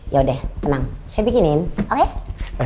yaudah tenang saya bikinin oke